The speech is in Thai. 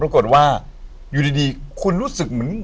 ราบกฏว่าคุณรู้สึกเหมือน